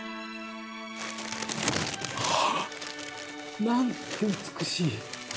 はあ！なんて美しい！